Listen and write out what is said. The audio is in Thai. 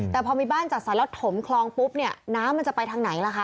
แต่พอมีบ้านจัดสรรแล้วถมคลองปุ๊บเนี่ยน้ำมันจะไปทางไหนล่ะคะ